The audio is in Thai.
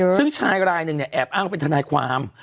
ซึ่งชายรายหนึ่งเนี่ยแอบอ้างว่าเป็นทนายความ